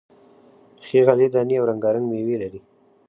ښې غلې دانې او رنگا رنگ میوې لري،